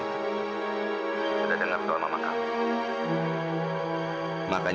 kebetulan lewat sini lihat kamu jalan